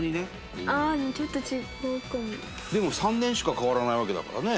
伊達：でも３年しか変わらないわけだからね